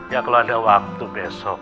ya kalau ada waktu besok